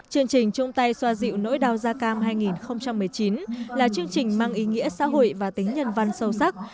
chương trình trung tay xoa dịu nỗi đau da cam hai nghìn một mươi chín là chương trình mang ý nghĩa xã hội và tính nhân văn sâu sắc